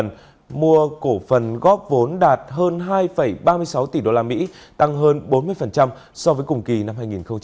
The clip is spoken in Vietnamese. đồng thời mua cổ phần góp vốn đạt hơn hai ba mươi sáu tỷ usd tăng hơn bốn mươi so với cùng kỳ năm hai nghìn hai mươi ba